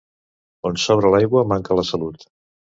On sobra l'aigua manca la salut.